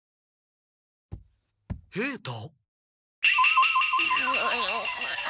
平太。